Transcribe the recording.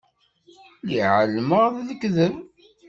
Lliɣ ɛelmeɣ d lekdeb.